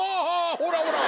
ほらほら！